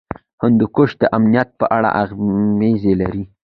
هندوکش د امنیت په اړه اغېز لري.